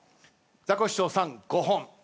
ザコシショウさん５本。